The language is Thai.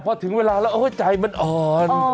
พอถึงเวลาแล้วใจมันอ่อน